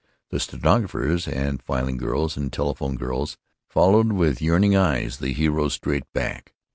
The stenographers and filing girls and telephone girls followed with yearning eyes the hero's straight back.